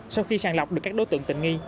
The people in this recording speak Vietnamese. sau khi sàng lọc được các đối tượng tình nghi